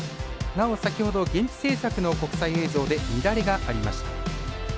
なお、先ほど現地制作の国際映像で乱れがありました。